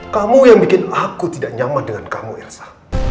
kamu yang bikin aku tidak nyaman dengan kamu elsa